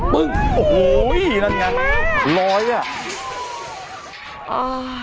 ปึ้งโอ้โหนั่นงานร้อยอ่ะ